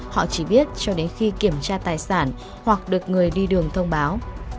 họ chỉ biết cho đến khi kiểm tra tài sản hoặc được người đi đường thông báo